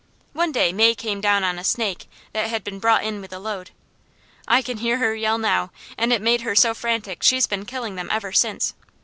One day May came down on a snake that had been brought in with a load. I can hear her yell now, and it made her so frantic she's been killing them ever since.